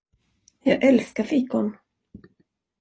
Jag älskar fikon!